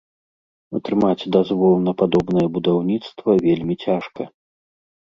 Атрымаць дазвол на падобнае будаўніцтва вельмі цяжка.